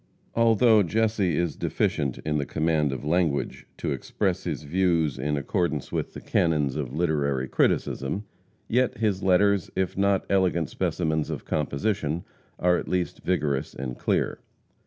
Although Jesse is deficient in the command of language to express his views in accordance with the canons of literary criticism, yet his letters, if not elegant specimens of composition, are at least vigorous and clear.